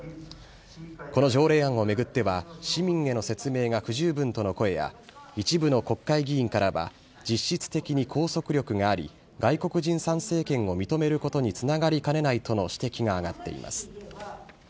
この条例案を巡っては、市民への説明が不十分との声や、一部の国会議員からは、実質的に拘束力があり、外国人参政権を認めることにつながりかねないとの指摘が挙がっています。